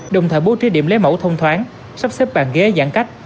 đồng thời bố trí điểm lấy mẫu thông thoáng sắp xếp bàn ghế giãn cách